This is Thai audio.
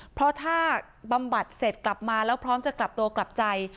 เพราะถ้าบำบัดเสร็จกลับมาแล้วพร้อมจะกลับตัวกลับใจ